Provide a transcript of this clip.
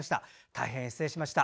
大変失礼しました。